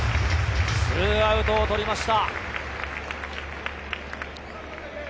２アウトを取りました。